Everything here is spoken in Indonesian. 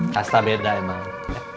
kasta beda emang